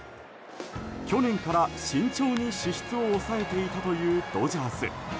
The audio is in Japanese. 去年から、慎重に支出を抑えていたというドジャース。